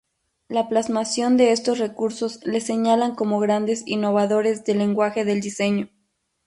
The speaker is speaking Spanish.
La plasmación de estos recursos les señalan como grandes innovadores del lenguaje del diseño.